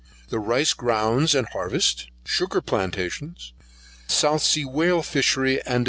The rice grounds and harvest, sugar plantation, South Sea whale fishery, &c.